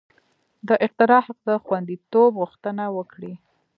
د اختراع حق د خوندیتوب غوښتنه وکړي.